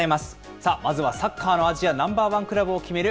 さあ、まずはサッカーのアジアナンバーワンクラブを決める